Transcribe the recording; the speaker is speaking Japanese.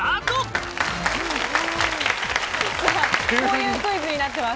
こういうクイズになってます。